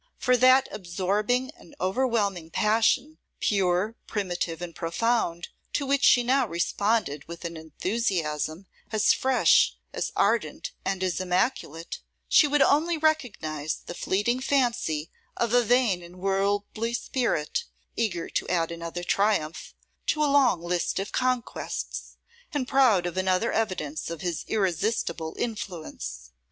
For that absorbing and overwhelming passion, pure, primitive, and profound, to which she now responded with an enthusiasm as fresh, as ardent, and as immaculate, she would only recognise the fleeting fancy of a vain and worldly spirit, eager to add another triumph to a long list of conquests, and proud of another evidence of his irresistible influence.